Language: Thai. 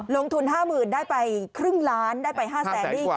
ลงทุนห้าหมื่นได้ไปครึ่งล้านได้ไปห้าแสนกว่า